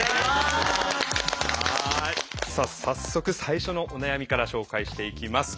さあ早速最初のお悩みから紹介していきます。